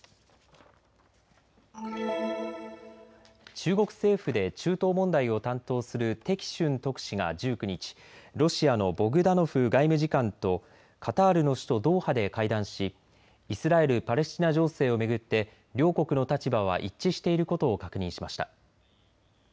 中国政府で中東問題を担当するてき雋特使が１９日、ロシアのボグダノフ外務次官とカタールの首都ドーハで会談しイスラエル・パレスチナ情勢を巡って両国の立場は一致していることを確認しました。